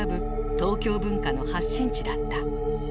東京文化の発信地だった。